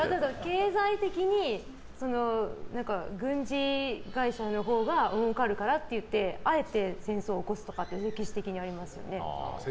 経済的に、軍事会社のほうがもうかるからってあえて戦争を起こすとかって歴史的にありますよね。